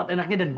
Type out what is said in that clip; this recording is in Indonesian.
aku belum kyurang